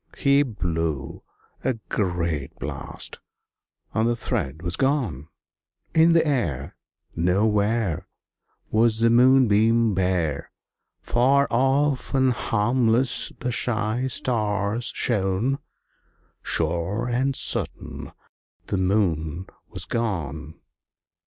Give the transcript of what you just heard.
He blew a great blast, and the thread was gone; In the air Nowhere Was a moonbeam bare; Far off and harmless the shy stars shone; Sure and certain the Moon was gone.